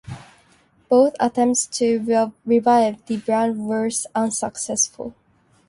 Both attempts to revive the brand were unsuccessful.